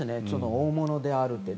大物であるという。